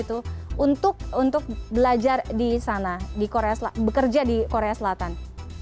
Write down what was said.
untuk belajar di sana bekerja di korea selatan